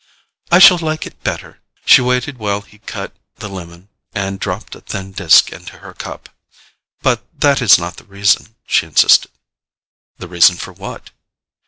"I shall like it better." She waited while he cut the lemon and dropped a thin disk into her cup. "But that is not the reason," she insisted. "The reason for what?"